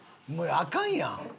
アカンやん！